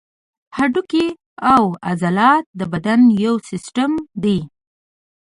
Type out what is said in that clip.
هډوکي او عضلات د بدن یو سیستم دی.